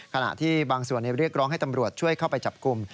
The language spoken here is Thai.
ขณะที่บางส่วนเรียกร้องให้ตำรวจช่วยเข้าไปจับกลุ่ม